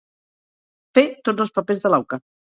Fer tots els papers de l'auca.